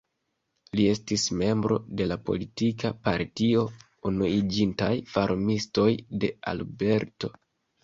Li estis membro de la politika partio Unuiĝintaj Farmistoj de Alberto.